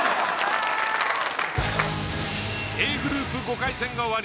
Ａグループ５回戦が終わり